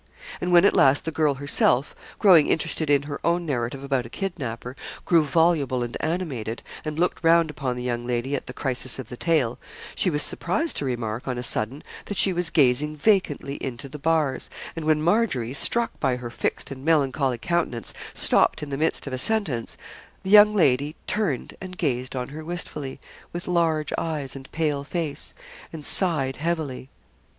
And when at last the girl herself, growing interested in her own narrative about a kidnapper, grew voluble and animated, and looked round upon the young lady at the crisis of the tale, she was surprised to remark, on a sudden, that she was gazing vacantly into the bars; and when Margery, struck by her fixed and melancholy countenance, stopped in the midst of a sentence, the young lady turned and gazed on her wistfully, with large eyes and pale face, and sighed heavily.